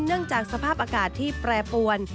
เนื่องจากสภาพอากาศที่แปรปวน